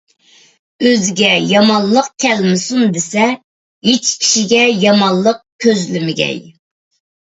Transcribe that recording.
ئۆزىگە يامانلىق كەلمىسۇن دېسە، ھېچ كىشىگە يامانلىق كۆزلىمىگەي.